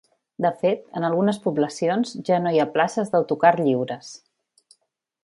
De fet, en algunes poblacions ja no hi ha places d’autocar lliures.